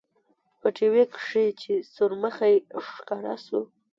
په ټي وي کښې چې سورمخى ښکاره سو.